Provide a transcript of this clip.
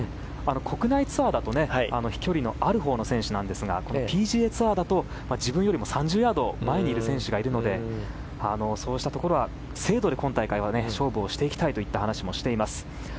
国内ツアーだと飛距離のあるほうの選手なんですがＰＧＡツアーだと、自分よりも３０ヤード前にいる選手がいるのでそうしたところは精度で今大会は勝負をしていきたいという話をしています。